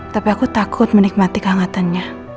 tapi aku takut menikmati kehangatannya